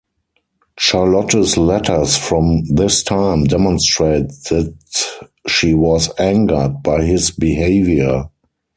Charlotte's letters from this time demonstrate that she was angered by his behaviour.